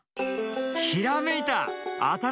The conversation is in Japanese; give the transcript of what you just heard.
ひらめいた！